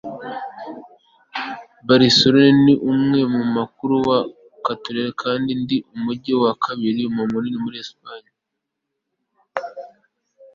Barcelona ni umurwa mukuru wa Cataloniya kandi ni umujyi wa kabiri munini muri Espanye